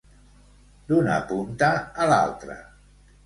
D'una punta a l'altra.